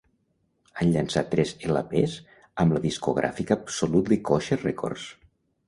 Han llançat tres elapés amb la discogràfica Absolutely Kosher Records.